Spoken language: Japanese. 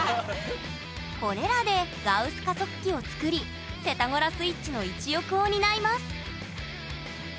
これらでガウス加速機を作りセタゴラスイッチの一翼を担います